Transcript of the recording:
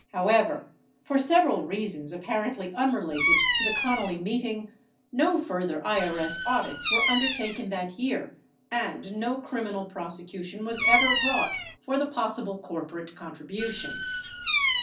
However, for several reasons apparently unrelated to the ('onnally meeting, no further IRS audits were undertaken that year and no criminal prosecution was ever brought for the possible corporate contribution.